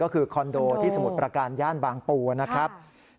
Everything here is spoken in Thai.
ก็คือคอนโดที่สมุทรประการย่านบางปูนะครับ